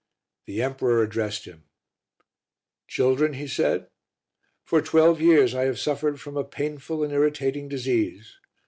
The emperor addressed him "Children," he said, "for twelve years I have suffered from a painful and irritating disease.